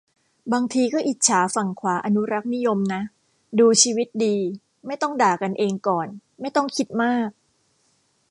บางทีก็อิจฉาฝั่งขวาอนุรักษ์นิยมนะ ดูชีวิตดี ไม่ต้องด่ากันเองก่อน ไม่ต้องคิดมาก